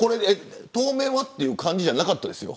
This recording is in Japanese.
当面はという感じじゃなかったですよ。